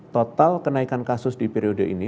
total kenaikan kasus di periode ini